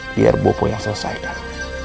biar bopo yang selesaikan